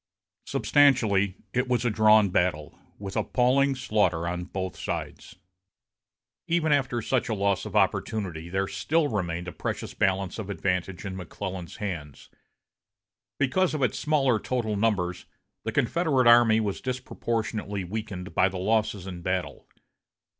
Substantially, it was a drawn battle, with appalling slaughter on both sides. Even after such a loss of opportunity, there still remained a precious balance of advantage in McClellan's hands. Because of its smaller total numbers, the Confederate army was disproportionately weakened by the losses in battle.